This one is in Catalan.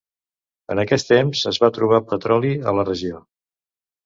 En aquest temps es va trobar petroli a la regió.